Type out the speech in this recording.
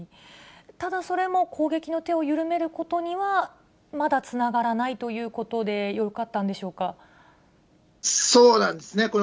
ただ、それも攻撃の手を緩めることには、まだつながらないということで、そうなんですね。